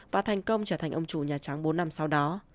và thành công trở thành ông chủ nhà trắng bốn năm sau đó